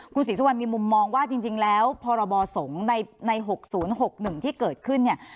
คุณศรีสุวรรณมีมุมมองว่าจริงจริงแล้วพรบอสงศ์ในในหกศูนย์หกหนึ่งที่เกิดขึ้นเนี่ย